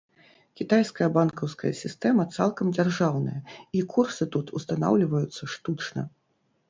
Кітайская банкаўская сістэма цалкам дзяржаўная, і курсы тут устанаўліваюцца штучна.